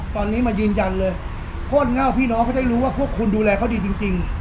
ตอนนี้มายืนยันเลยโคตรเง่าพี่น้องเขาจะรู้ว่าพวกคุณดูแลเขาดีจริง